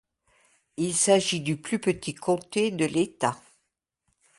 Il s’agit du plus petit comté de l’État.